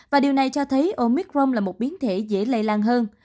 và điều này cho thấy omicrom là một biến thể dễ lây lan hơn